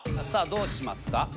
さあどうしますか？